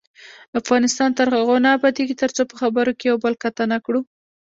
افغانستان تر هغو نه ابادیږي، ترڅو په خبرو کې یو بل قطع نکړو.